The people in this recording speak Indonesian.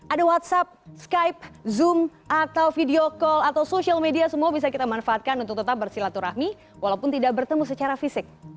ada whatsapp skype zoom atau video call atau social media semua bisa kita manfaatkan untuk tetap bersilaturahmi walaupun tidak bertemu secara fisik